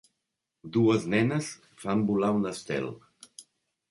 dues nenes fan volar un estel.